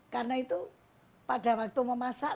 karena itu pada waktu memasak